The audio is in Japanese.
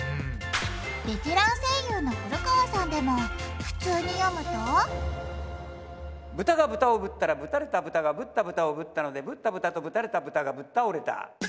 ベテラン声優の古川さんでもブタがブタをぶったらぶたれたブタがぶったブタをぶったのでぶったブタとぶたれたブタがぶったおれた。